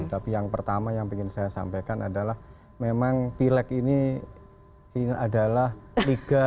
tapi yang pertama yang ingin saya sampaikan adalah memang pileg ini adalah tiga